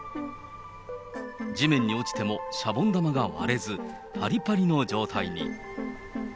地面に落ちてもシャボン玉が割れず、ぱりぱりの状態に。